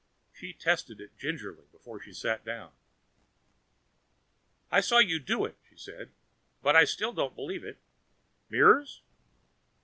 She tested it gingerly before she sat down. "I saw you do it," she said, "but I still don't believe it. Mirrors?"